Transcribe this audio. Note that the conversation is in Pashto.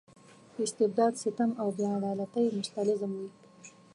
استبداد ستم او بې عدالتۍ مستلزم وي.